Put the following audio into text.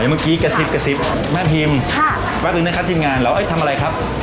อย่างเมื่อกี้กระซิบแม่พิมปั๊บนึงนะคะทีมงานแล้วทำอะไรครับ